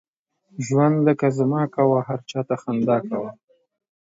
ژوند لکه زما کوه، هر چاته خندا کوه.